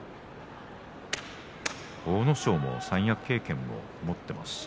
阿武咲は三役経験も持っています。